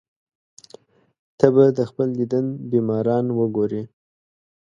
ته به د خپل دیدن بیماران وګورې.